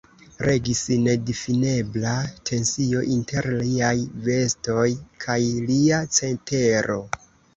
Regis nedifinebla tensio inter liaj vestoj kaj lia cetero.